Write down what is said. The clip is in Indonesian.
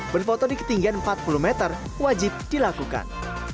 berfoto di ketinggian empat puluh meter wajib dilakukan